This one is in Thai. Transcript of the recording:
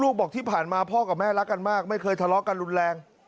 บอกที่ผ่านมาพ่อกับแม่รักกันมากไม่เคยทะเลาะกันรุนแรง